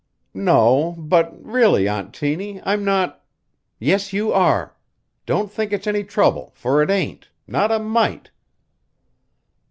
"No; but really, Aunt Tiny, I'm not " "Yes, you are. Don't think it's any trouble for it ain't not a mite."